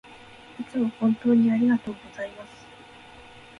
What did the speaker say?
いつも本当にありがとうございます